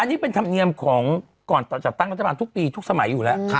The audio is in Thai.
อันนี้เป็นธรรมเนียมของก่อนจัดตั้งรัฐบาลทุกปีทุกสมัยอยู่แล้ว